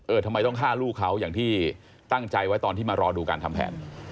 ทำไมต้องฆ่าลูกเขาอย่างที่ตั้งใจไว้ตอนที่มารอดูการทำแผน